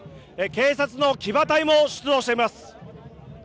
警察の騎馬隊も出動しています。